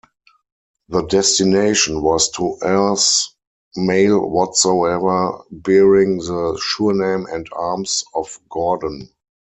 The destination was to heirs male whatsoever bearing the surname and Arms of Gordon.